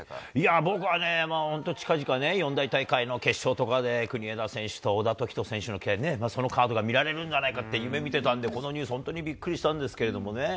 僕はね、本当に近々ね、四大大会の決勝とかで、国枝選手とおだときと選手のそのカードが見られるんじゃないかって夢みてたんで、このニュース、本当にびっくりしたんですけどね。